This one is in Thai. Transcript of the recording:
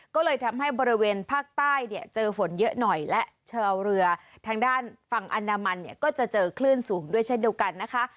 ก็เลยทำให้บริเวณภาคใต้เนี่ยเจอฝนเยอะหน่อยและชาวเรือทางด้านฝั่งอนามันเนี่ยก็จะเจอคลื่นสูงด้วยเช่นเดียวกันนะคะ